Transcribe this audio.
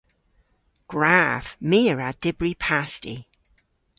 Gwrav. My a wra dybri pasti.